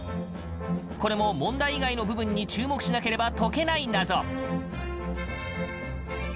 これも問題以外の部分に注目しなければ解けない謎！